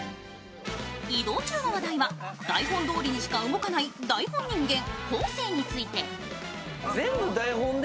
移動中の話題は、台本どおりにしか動かない台本人間・昴生について。